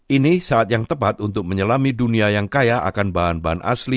ini saat yang tepat untuk menyelami dunia yang kaya akan bahan bahan